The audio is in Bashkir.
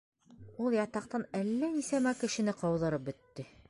Ул ятаҡтан әллә нисәмә кешене ҡыуҙырып бөттө.